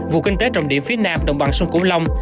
vụ kinh tế trọng điểm phía nam đồng bằng sông củ long